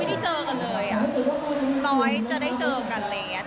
ที่จะเพิ่มเห็นหน้าตัวกันบ้าง